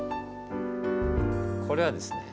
これはですね。